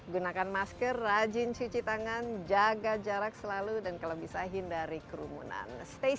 gunakan masker rajin cuci tangan jaga jarak selalu dan kalau bisa hindari kerumunan stay